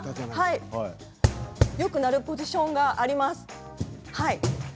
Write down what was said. よく鳴るポジションがあります。